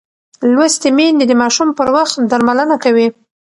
لوستې میندې د ماشوم پر وخت درملنه کوي.